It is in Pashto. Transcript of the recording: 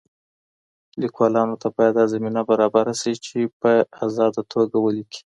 ليکوالانو ته بايد دا زمينه برابره سي چي په ازادانه توګه وليکي.